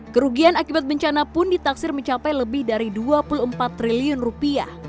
kerugian akibat bencana pun ditaksir mencapai lebih dari dua puluh empat triliun rupiah